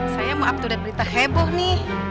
saya mau abdu abdu dari berita heboh nih